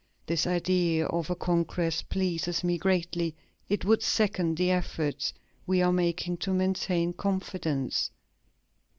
This idea of a congress pleases me greatly; it would second the efforts we are making to maintain confidence.